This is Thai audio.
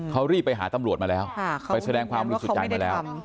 เขารีบไปหาตำรวจมาแล้วไปแสดงความบริสุทธิ์ใจมาแล้ว